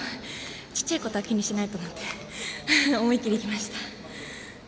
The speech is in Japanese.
ちっちゃいことは気にしないと思って思い切りいきました。